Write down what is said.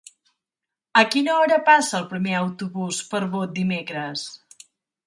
A quina hora passa el primer autobús per Bot dimecres?